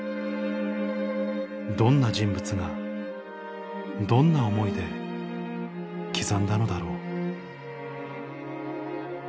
「どんな人物がどんな思いで刻んだのだろう」